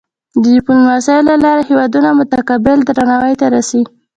د ډیپلوماسۍ له لارې هېوادونه متقابل درناوی ته رسي.